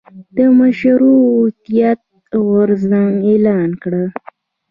د مشروطیت غورځنګ اعلان کړ.